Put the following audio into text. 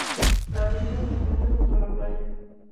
La piscina se encuentra junto a la playa.